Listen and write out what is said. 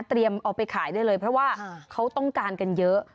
เอาไปขายได้เลยเพราะว่าเขาต้องการกันเยอะ